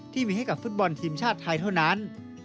ที่มีให้กับฟุตบอลทีมชาติไทยเท่านั้น